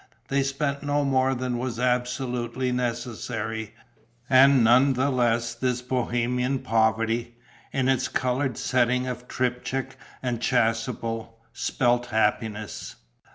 They spent no more than was absolutely necessary; and none the less this bohemian poverty, in its coloured setting of triptych and chasuble, spelt happiness.